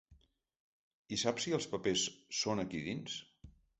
I saps si els papers són aquí dins?